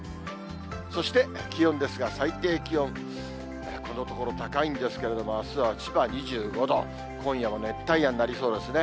そして気温ですが、最低気温、このところ高いんですけども、あすは千葉２５度、今夜も熱帯夜になりそうですね。